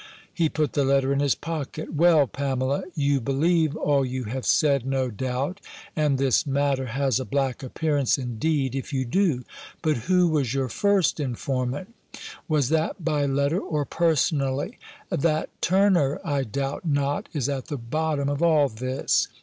He put the letter in his pocket, "Well, Pamela, you believe all you have said, no doubt: and this matter has a black appearance, indeed, if you do. But who was your first informant? Was that by letter or personally? That Turner, I doubt not, is at the bottom of all this.